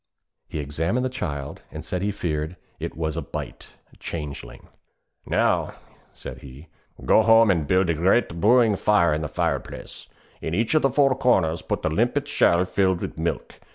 He examined the child and said he feared it was a bytte (changeling). 'Now,' said he, 'go home and build a great brewing fire in the fire place. In each of the four corners put a limpet shell filled with milk.